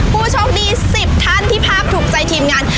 ผู้โชคดี๑๐ท่านที่ภาพถูกใจทีมงาน